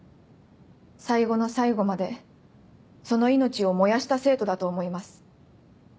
最後の最後までその命を燃やした生徒だと思います。